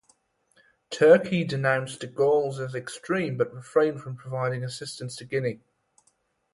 Turkey denounced de Gaulle’s as extreme but refrained from providing assistance to Guinea.